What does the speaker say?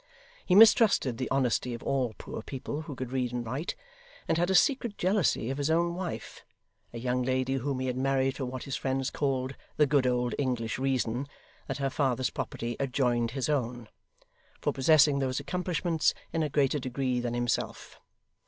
He mistrusted the honesty of all poor people who could read and write, and had a secret jealousy of his own wife (a young lady whom he had married for what his friends called 'the good old English reason,' that her father's property adjoined his own) for possessing those accomplishments in a greater degree than himself.